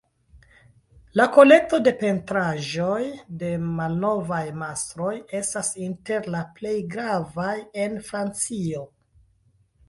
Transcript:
La kolekto de pentraĵoj de malnovaj mastroj estas inter la plej gravaj en Francio.